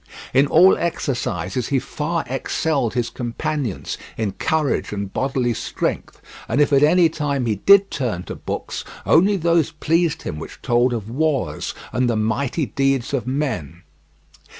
In all exercises he far excelled his companions in courage and bodily strength, and if at any time he did turn to books, only those pleased him which told of wars and the mighty deeds of men.